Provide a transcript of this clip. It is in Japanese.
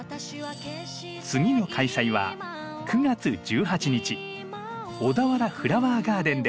次の開催は９月１８日小田原フラワーガーデンです。